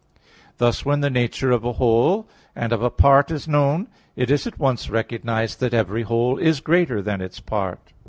Thus, when the nature of a whole and of a part is known, it is at once recognized that every whole is greater than its part.